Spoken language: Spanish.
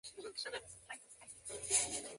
Se alimenta de moluscos principalmente.